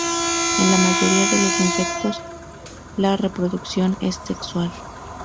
En la mayoría de los insectos la reproducción es sexual.